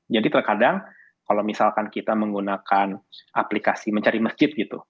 jadi terkadang kalau misalkan kita menggunakan aplikasi mencari masjid gitu